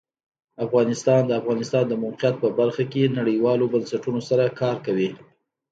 افغانستان د د افغانستان د موقعیت په برخه کې نړیوالو بنسټونو سره کار کوي.